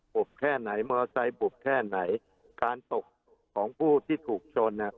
ปุบแค่ไหนว่าใช้ปุบแค่ไหนการตกของผู้ที่ถูกชนอ่ะ